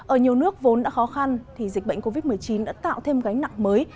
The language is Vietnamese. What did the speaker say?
ở nhiều nước vốn đã khó khăn thì dịch bệnh covid một mươi chín đã tạo thêm gánh nặng mới